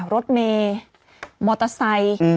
รถเมย์มอเตอร์ไซค์